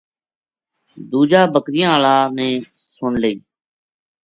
دوجا بکریاں ہالا نے سن لئی